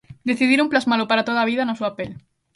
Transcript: Decidiron plasmalo para toda a vida na súa pel.